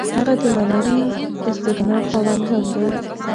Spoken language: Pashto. هغه د معنوي استغنا خاوند هم دی.